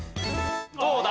どうだ？